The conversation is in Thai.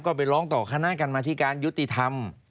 ก็ไปร้องต่อคณะกรรมธิการยุติธรรม